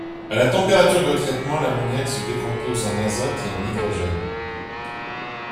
À la température de traitement, l'ammoniac se décompose en azote et en hydrogène.